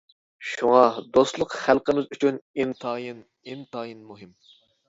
شۇڭا دوستلۇق خەلقىمىز ئۈچۈن ئىنتايىن، ئىنتايىن مۇھىم.